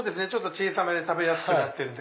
小さめで食べやすくなってるんで。